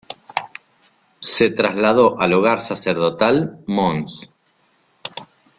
Se trasladó al hogar sacerdotal “Mons.